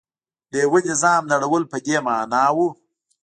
د یوه نظام نړول په دې معنا و.